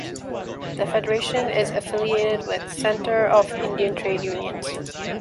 The federation is affiliated with the Centre of Indian Trade Unions.